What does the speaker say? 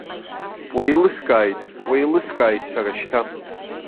Уеилыскааит, уеилыскааит сара шьҭа!